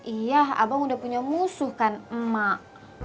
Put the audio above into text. iya abang udah punya musuh kan emak